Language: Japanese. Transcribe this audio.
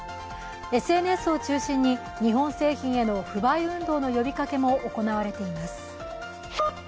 ＳＮＳを中心に日本製品への不買運動の呼びかけも起きています。